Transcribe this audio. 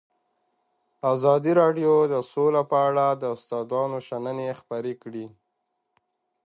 ازادي راډیو د سوله په اړه د استادانو شننې خپرې کړي.